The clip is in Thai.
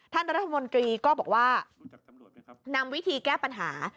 ท่านรัฐมนตรีก็บอกว่านำวิธีแก้ปัญหา